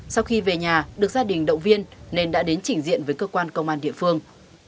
sau khi về nhà được gia đình động viên nên đã đến chỉnh diện với cơ quan công an địa phương